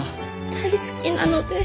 大好きなので。